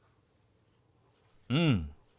うん。